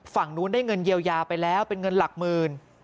ฝั่งนู้นได้เงินเยียวยาไปแล้วเป็นเงินหลักหมื่น